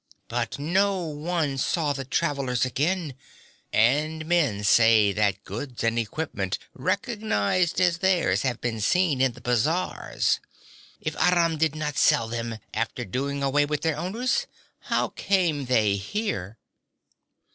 But no one saw the travelers again, and men say that goods and equipment recognized as theirs have been seen in the bazars. If Aram did not sell them, after doing away with their owners, how came they here?'